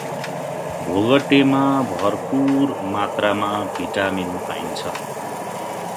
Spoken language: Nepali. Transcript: भोगटेमा भरपूर मात्रामा भिटामिन पाइन्छ ।